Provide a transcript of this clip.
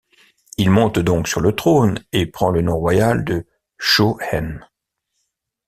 Il monte donc sur le trône, et prend le nom royal de Shō En.